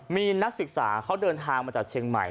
มีนักศึกษาเขาเดินทางมาจากเชียงใหม่